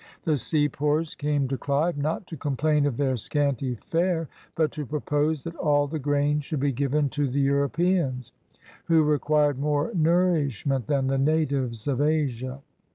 The sepoys came to Clive, not to complain of their scanty fare, but to pro pose that all the grain should be given to the Europeans, who required more nourishment than the natives of Asia.